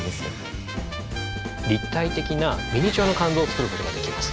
立体的なミニチュアの肝臓を作ることができます。